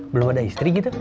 belum ada istri gitu